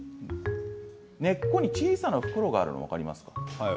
根っこに小さな袋があることが分かりますか？